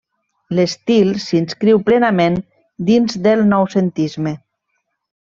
L'estil s'inscriu plenament dins del Noucentisme.